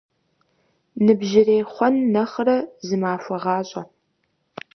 Ныбжьырей хъуэн нэхърэ зы махуэ гъащӀэ.